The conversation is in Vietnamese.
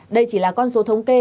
đây chỉ là con số thống kê